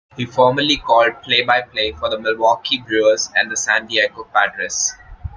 He formerly called play-by-play for the Milwaukee Brewers and the San Diego Padres.